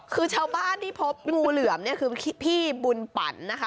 คือชาวบ้านที่พบงูเหลือมเนี่ยคือพี่บุญปั่นนะคะ